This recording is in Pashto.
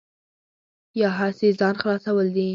یا هسې ځان خلاصول دي.